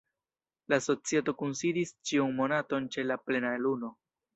La Societo kunsidis ĉiun monaton ĉe la plena luno.